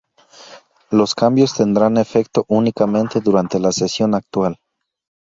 Los cambios tendrán efecto únicamente durante la sesión actual.